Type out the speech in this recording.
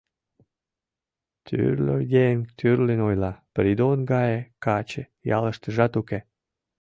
Тӱрлӧ еҥ тӱрлын ойла: «Придон гае каче ялыштыжат уке.